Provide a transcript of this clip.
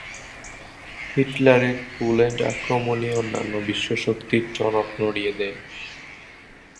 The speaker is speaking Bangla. হিটলারের পোল্যান্ড আক্রমণই অন্যান্য বিশ্বশক্তির টনক নড়িয়ে দেয়।